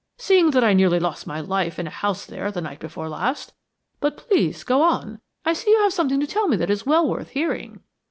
"Seeing that I nearly lost my life in a house there the night before last. But please go on. I see you have something to tell me that is well worth hearing."